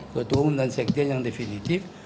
ketua umum dan sekjen yang definitif